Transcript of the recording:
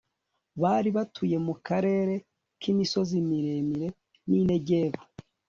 bari batuye mu karere k'imisozi miremire n'i negebu+